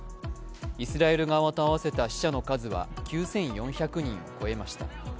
イスラエル側と合わせた死者の数は９４００人を超えました。